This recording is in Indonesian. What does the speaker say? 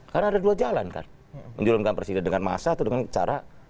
karena ada dua jalan kan menjurunkan presiden dengan masa atau dengan cara